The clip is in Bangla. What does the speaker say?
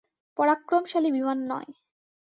পরাক্রমশালী বিমান নয়।